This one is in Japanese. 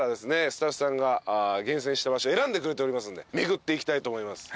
スタッフさんが厳選した場所選んでくれておりますんで巡っていきたいと思います。